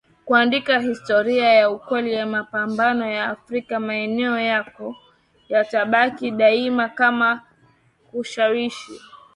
kuandika historia ya kweli ya mapambano ya Afrika maneno yako yatabaki daima kama kishawishi